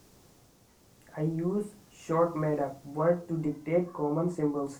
I use short made-up words to dictate common symbols.